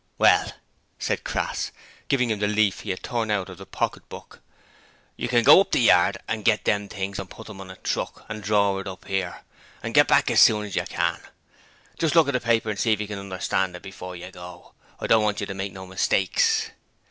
'Well,' said Crass, giving him the leaf he had torn out of the pocket book, 'you can go up to the yard and git them things and put 'em on a truck and dror it up 'ere, and git back as soon as you can. Just look at the paper and see if you understand it before you go. I don't want you to make no mistakes.'